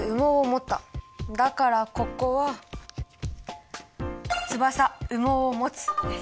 だからここは「翼・羽毛をもつ」です。